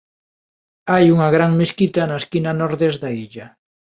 Hai unha gran mesquita na esquina nordés da illa.